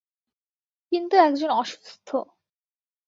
কিন্তু একজন অসুস্থ।